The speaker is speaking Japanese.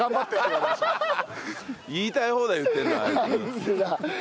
言いたい放題言ってるなあいつ。